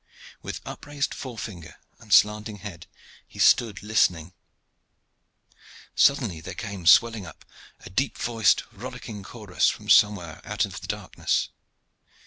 With upraised forefinger and slanting head, he stood listening. Suddenly there came swelling up a deep voiced, rollicking chorus from somewhere out of the darkness.